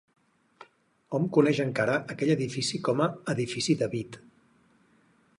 Hom coneix encara aquell edifici com a Edifici David.